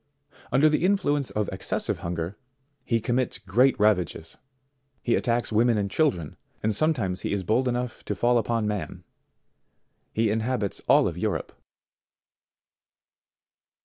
Under the influence of excessive hunger, he commits great ravages. He attacks women and children, and sometimes he is bold enough to fall upon man. He inhabits all Europe.